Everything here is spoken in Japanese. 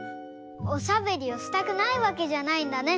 おしゃべりをしたくないわけじゃないんだね？